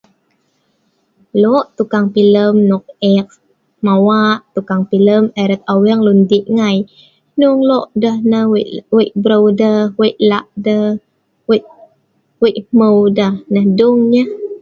Loq tukang filem nok ek mawa. Tukang filem erat Aweng lun dii ngai. hnong wei deh nah, wei breu deh, wei laq deh, wei hmeu deh. Nah dung nyah